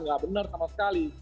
tidak benar sama sekali